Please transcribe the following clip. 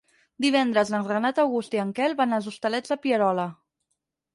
Divendres en Renat August i en Quel van als Hostalets de Pierola.